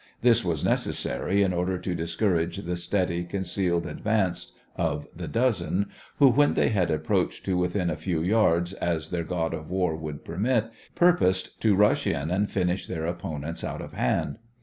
This was necessary in order to discourage the steady concealed advance of the dozen, who, when they had approached to within as few yards as their god of war would permit, purposed to rush in and finish their opponents out of hand.